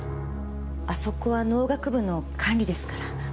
あそこは農学部の管理ですから私たちは。